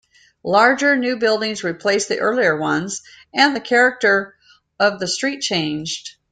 Larger new buildings replaced the earlier ones, and the character of the street changed.